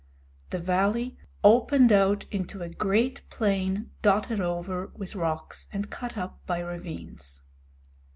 The valley opened out into a great plain dotted over with rocks and cut up by ravines.